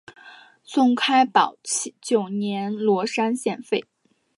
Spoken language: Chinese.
宋开宝九年罗山县废。